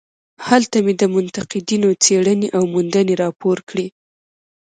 هلته مې د منتقدینو څېړنې او موندنې راپور کړې.